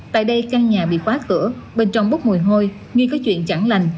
tại đây căn nhà bị khóa cửa bên trong bốc mùi hôi nghi có chuyện chẳng lành